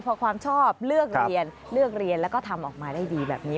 เพราะความชอบเลือกเรียนแล้วก็ทำออกมาได้ดีแบบนี้